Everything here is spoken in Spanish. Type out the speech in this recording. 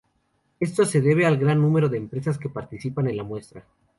Esto se debe al gran número de empresas que participan en la muestra.